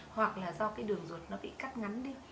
hoặc là do cái đường ruột nó bị cắt ngắn đi